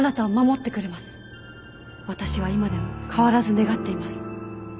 私は今でも変わらず願っています。